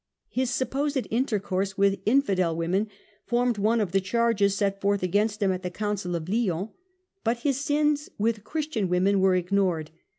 His supposed intercourse with Infidel women formed one of the charges set forth against him at the Council of Lyons, but his sins with Christian women were ignored.